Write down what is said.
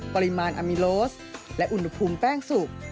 ปริมาณอามิโลสและอุณหภูมิแป้งสุก